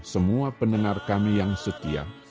semua pendengar kami yang setia